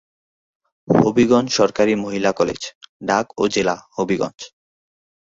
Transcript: হবিগঞ্জ সরকারি মহিলা কলেজ, ডাক ও জেলা-হবিগঞ্জ।